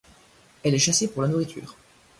Elle est chassée pour la nourriture.